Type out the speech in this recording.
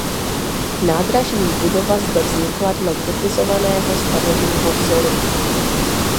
Nádražní budova zde vznikla dle typizovaného stavebního vzoru.